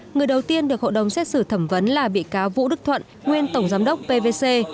người đầu tiên được hội đồng xét xử thẩm vấn là bị cáo vũ đức thuận nguyên tổng giám đốc pvc